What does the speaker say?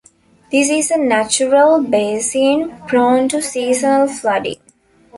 This is a natural basin, prone to seasonal flooding.